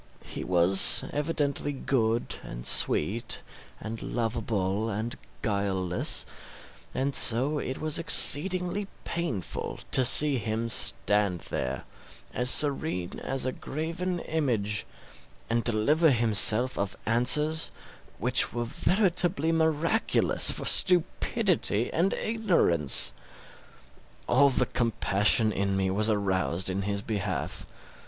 He was evidently good, and sweet, and lovable, and guileless; and so it was exceedingly painful to see him stand there, as serene as a graven image, and deliver himself of answers which were veritably miraculous for stupidity and ignorance. All the compassion in me was aroused in his behalf.